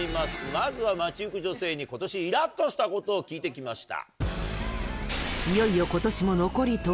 まずは街行く女性に今年イラっとしたことを聞いて来ました。